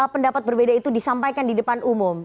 pendapat berbeda itu disampaikan di depan umum